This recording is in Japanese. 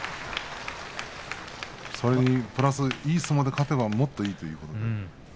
それにプラスいい相撲で勝てばもっといいということ。